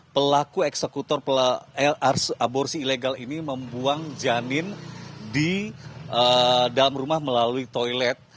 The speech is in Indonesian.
pelaku eksekutor aborsi ilegal ini membuang janin di dalam rumah melalui toilet